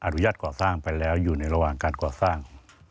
อนุญาตก่อสร้างไปแล้วอยู่ในระหว่างการก่อสร้าง